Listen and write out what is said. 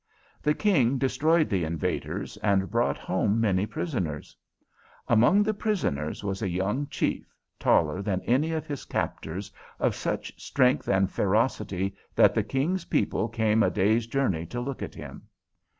The King destroyed the invaders and brought home many prisoners. Among the prisoners was a young chief, taller than any of his captors, of such strength and ferocity that the King's people came a day's journey to look at him.